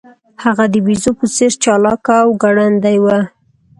هغه د بیزو په څیر چلاک او ګړندی و.